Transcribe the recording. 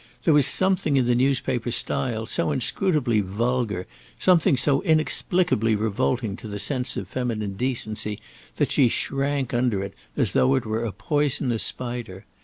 There was something in the newspaper style so inscrutably vulgar, something so inexplicably revolting to the sense of feminine decency, that she shrank under it as though it were a poisonous spider.